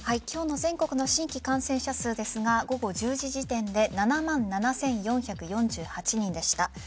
今日の全国の新規感染者数ですが午後１０時時点で７万７４４８人でした。